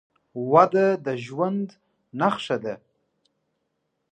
وده د ژوند نښه ده.